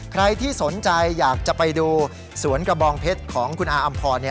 ใครที่สนใจอยากจะไปดูสวนกระบองเพชรของคุณอาอำพร